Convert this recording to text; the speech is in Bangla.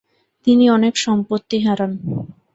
তিনি অনেক সম্পত্তি হারান।